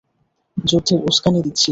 যুদ্ধের উসকানি দিচ্ছিলি।